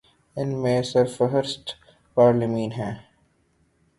ان میں سر فہرست پارلیمان ہے۔